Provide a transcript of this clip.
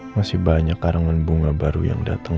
masih banyak arangan bunga baru yang dateng